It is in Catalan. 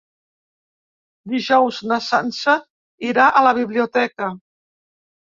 Dijous na Sança irà a la biblioteca.